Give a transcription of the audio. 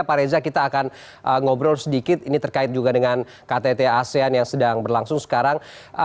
pak reza kita akan ngobrol sedikit ini terkait juga dengan ktt asean yang sedang berlangsung sekarang